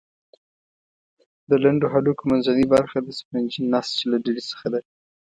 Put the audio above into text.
د لنډو هډوکو منځنۍ برخه د سفنجي نسج له ډلې څخه ده.